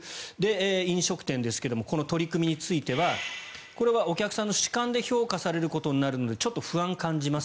飲食店ですけどこの取り組みについてはこれはお客さんの主観で評価されることになるのでちょっと不安は感じます。